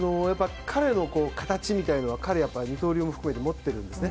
彼の形みたいなものが彼は二刀流も含めて持っているんですね。